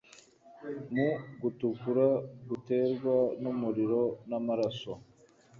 Mu gutukura guterwa n'umuriro n'amaraso